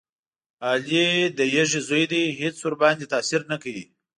علي د یږې زوی دی هېڅ ورباندې تاثیر نه کوي.